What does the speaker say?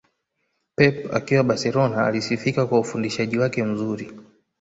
Pep akiwa Barcelona alisifika kwa ufundishaji wake mzuri